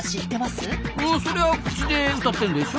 そりゃあ口で歌ってるんでしょ？